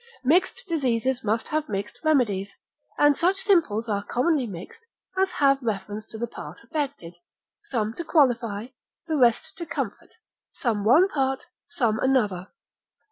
Mixed diseases must have mixed remedies, and such simples are commonly mixed as have reference to the part affected, some to qualify, the rest to comfort, some one part, some another.